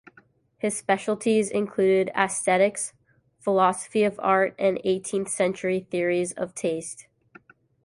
His specialities include aesthetics, philosophy of art and Eighteenth Century theories of taste.